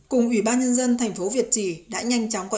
cùng ủy ban nhân dân thành phố việt trì